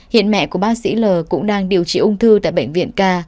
hiện mẹ của bác sĩ l cũng đang điều trị ung thư tại bệnh viện ca